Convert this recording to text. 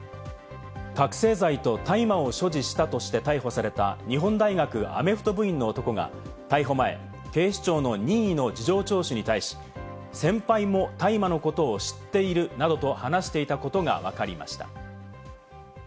覚醒剤と大麻を所持したとして逮捕された日本大学アメフト部員の男が逮捕前、警視庁の任意の事情聴取に対し、先輩も大麻のことを知っているなどと話していたことがわかりました。